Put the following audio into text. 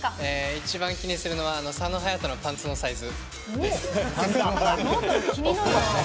一番気にするのは佐野勇斗のパンツのサイズです。